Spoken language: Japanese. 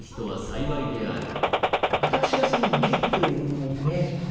私がその「義」というもののイメージはですね